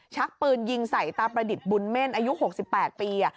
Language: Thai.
ชักปืนยิงใส่ตาประดิษฐ์บุญเม่นอายุ๖๘ปี